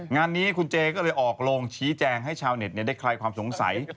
งานนี้คุณเจก็เลยออกโรงชี้แจงให้ชาวเน็ตได้คลายความสงสัย